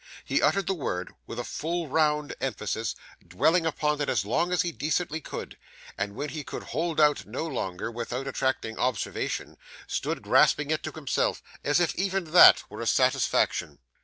He uttered the word with a full round emphasis, dwelling upon it as long as he decently could, and when he could hold out no longer without attracting observation, stood gasping it to himself as if even that were a satisfaction.